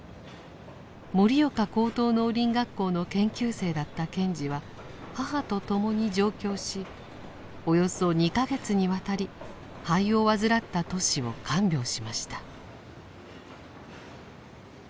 盛岡高等農林学校の研究生だった賢治は母と共に上京しおよそ２か月にわたり肺を患ったトシを看病しました。